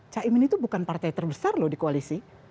caimin itu bukan partai terbesar loh di koalisi